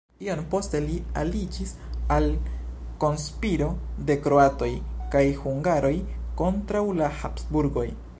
Iom poste li aliĝis al konspiro de kroatoj kaj hungaroj kontraŭ la Habsburgoj.